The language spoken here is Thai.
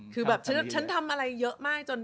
คือแบบฉันทำอะไรเยอะมากจน